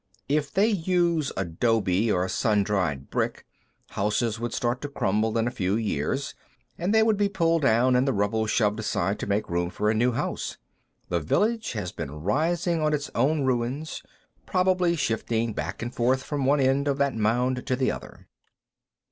If they use adobe, or sun dried brick, houses would start to crumble in a few years, and they would be pulled down and the rubble shoved aside to make room for a new house. The village has been rising on its own ruins, probably shifting back and forth from one end of that mound to the other."